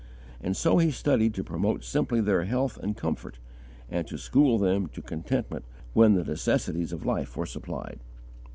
And so he studied to promote simply their health and comfort, and to school them to contentment when the necessities of life were supplied.